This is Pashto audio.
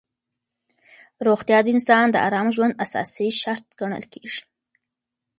روغتیا د انسان د ارام ژوند اساسي شرط ګڼل کېږي.